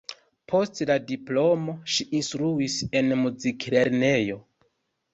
Post la diplomo ŝi instruis en muziklernejo.